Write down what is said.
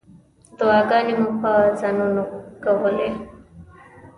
دعاګانې مو په ځانونو کولې.